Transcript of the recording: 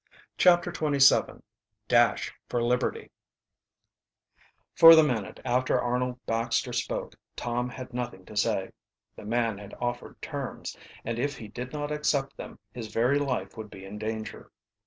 CHAPTER XXVII DASH FOR LIBERTY For the minute after Arnold Baxter spoke Tom had nothing to say. The man had offered terms, and if he did not accept them his very life would be in danger.